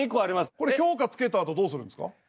これ評価つけたあとどうするんですか？